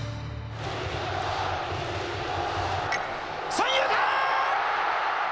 三遊間！